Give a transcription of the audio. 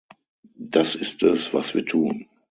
Das ist es, was wir tun.